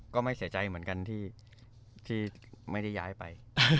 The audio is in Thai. ก็ไม่เสียใจเหมือนกันที่ไม่ได้ย้ายไป